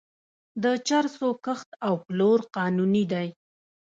د چرسو کښت او پلور قانوني دی.